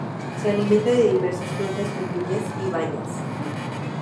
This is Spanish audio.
Se alimenta de diversas frutas pequeñas y bayas.